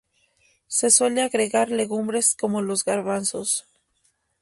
Se suele agregar legumbres, como los garbanzos.